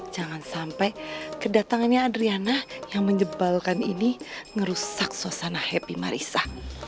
jangan sampai kedatangannya adriana yang menyebalkan ini ngerusak suasana happy marisa